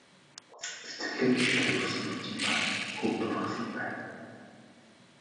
Цэцэрлэгт зэрлэг усан үзэм ба хөвд ургасан байв.